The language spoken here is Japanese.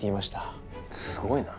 すごいな。